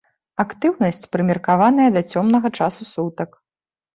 Актыўнасць прымеркаваная да цёмнага часу сутак.